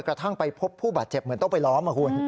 กระทั่งไปพบผู้บาดเจ็บเหมือนต้องไปล้อมอ่ะคุณ